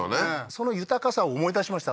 その豊かさを思い出しました